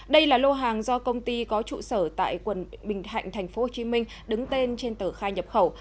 đây là lô hàng do công ty có trụ sở tại quận bình thạnh tp hcm đứng tên trên tờ khai nhập khẩu